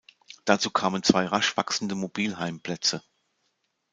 Dazu kamen zwei rasch wachsende Mobilheim-Plätze.